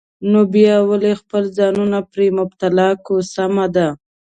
نو بیا ولې خپل ځانونه پرې مبتلا کوو؟ سمه ده.